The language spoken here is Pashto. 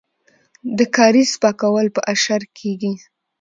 د کاریز پاکول په اشر کیږي.